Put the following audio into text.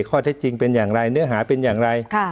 ข้อเท็จจริงเป็นอย่างไรเนื้อหาเป็นอย่างไร